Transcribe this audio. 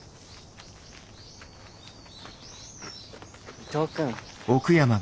伊藤君。